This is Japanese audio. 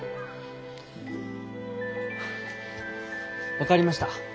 分かりました。